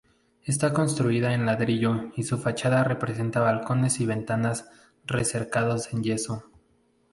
Está construida en ladrillo y su fachada presenta balcones y ventanas recercados en yeso.